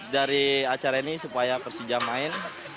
dari acara ini supaya persija main